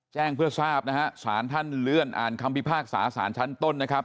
แจ้งเพื่อทราบนะฮะสารท่านเลื่อนอ่านคำพิพากษาสารชั้นต้นนะครับ